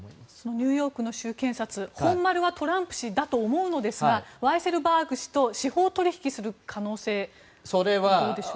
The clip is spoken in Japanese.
ニューヨークの州検察本丸はトランプ氏だと思うのですがワイセルバーグ氏と司法取引する可能性はどうでしょう。